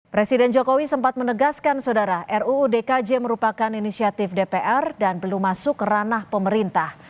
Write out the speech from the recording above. presiden jokowi sempat menegaskan saudara ruu dkj merupakan inisiatif dpr dan belum masuk ranah pemerintah